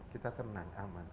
kita tenang aman